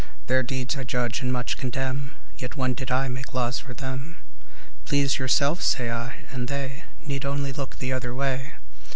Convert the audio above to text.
Their deeds I judge and much condemn, Yet when did I make laws for them? Please yourselves, say I , and they Need only look the other way.